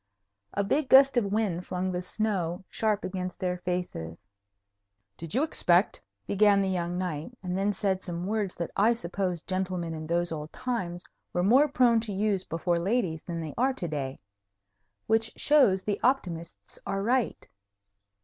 A big gust of wind flung the snow sharp against their faces. "Did you expect " began the young knight, and then said some words that I suppose gentlemen in those old times were more prone to use before ladies than they are to day. Which shows the optimists are right.